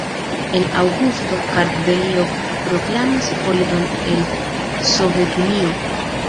En aŭgusto Kartvelio proklamis foriron el Sovetunio.